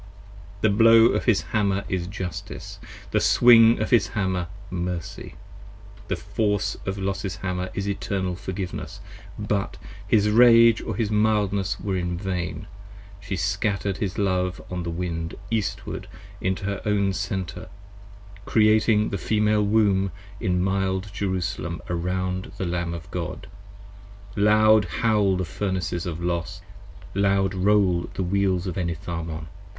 The blow of his Hammer is Justice, the swing of his Hammer Mercy, 50 The force of Los's Hammer is eternal Forgiveness; but His rage or his mildness were vain, she scatter'd his love on the wind Eastward into her own Center, creating the Female Womb In mild Jerusalem around the Lamb of God. Loud howl The Furnaces of Los! loud roll the Wheels of Enitharmon!